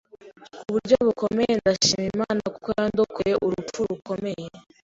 ku buryo bukomeye ndashima Imana kuko yandokoye urupfu rukomeye